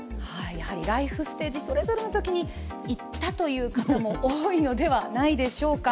ライフステージそれぞれのときに行ったという方も多いのではないでしょうか。